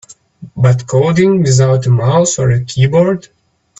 But coding without a mouse or a keyboard?